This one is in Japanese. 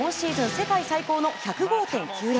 世界最高の１０５．９０。